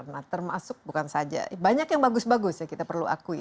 nah termasuk bukan saja banyak yang bagus bagus ya kita perlu akui